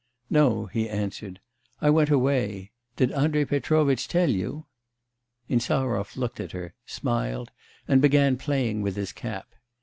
'No,' he answered. 'I went away. Did Andrei Petrovitch tell you?' Insarov looked at her, smiled, and began playing with his cap.